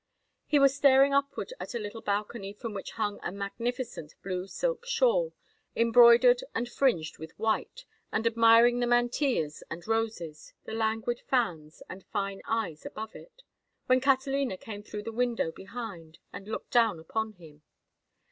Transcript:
He was staring upward at a little balcony from which hung a magnificent blue silk shawl, embroidered and fringed with white, and admiring the mantillas and roses, the languid fans and fine eyes above it, when Catalina came through the window behind and looked down upon him.